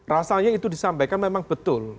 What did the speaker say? rasanya itu disampaikan memang betul